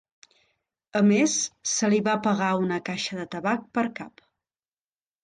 A més, se li va pagar una caixa de tabac per cap.